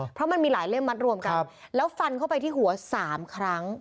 เพราะมันมีหลายเล่มมัดรวมกันแล้วฟันเข้าไปที่หัว๓ครั้ง